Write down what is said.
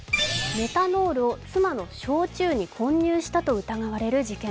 メタノールを妻の焼酎に混入したと疑われる事件。